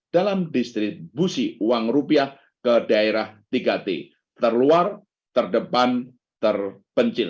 dalam distribusi uang rupiah ke daerah tiga t terluar terdepan terpencil